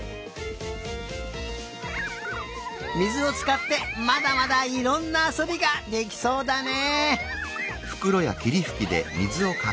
みずをつかってまだまだいろんなあそびができそうだね。